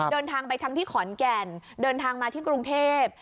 เดินทางไปทั้งที่ขอนแก่นเดินทางมาที่กรุงเทพ